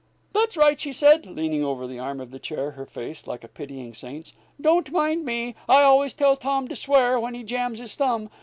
"That's right," she said, leaning over the arm of the chair, her face like a pitying saint's. "Don't mind me, I always tell Tom to swear, when he jams his thumb.